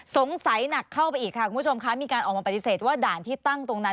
หนักเข้าไปอีกค่ะคุณผู้ชมคะมีการออกมาปฏิเสธว่าด่านที่ตั้งตรงนั้น